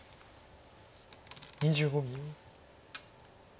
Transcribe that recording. ２５秒。